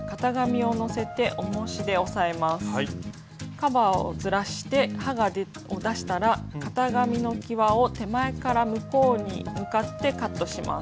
カバーをずらして刃を出したら型紙のきわを手前から向こうに向かってカットします。